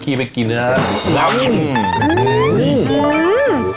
กะทิสดด้วยค่ะ